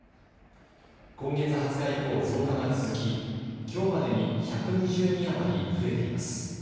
今月２０日以降、増加が続ききょうまでに１２０人余り増えています。